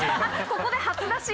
ここで初出し。